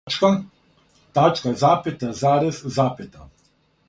Тачка. Тачка запета. Зарез. Запета,